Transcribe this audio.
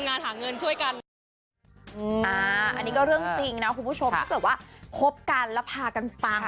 อันนี้ก็เรื่องจริงนะคุณผู้ชมถ้าเกิดว่าคบกันแล้วพากันปัง